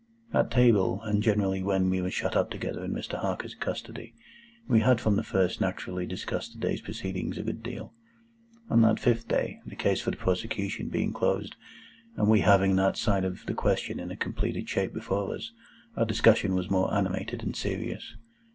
At table, and generally when we were shut up together in Mr. Harker's custody, we had from the first naturally discussed the day's proceedings a good deal. On that fifth day, the case for the prosecution being closed, and we having that side of the question in a completed shape before us, our discussion was more animated and serious.